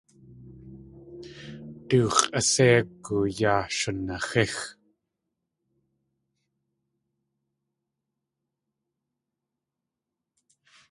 Du x̲ʼaséigu yaa shunaxíx.